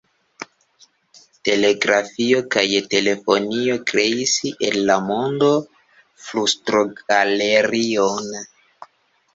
Telegrafio kaj telefonio kreis el la mondo flustrogalerion.